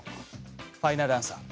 ファイナルアンサー？